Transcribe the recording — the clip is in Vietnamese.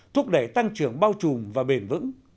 thúc đẩy tăng trưởng bao trùm và bền vững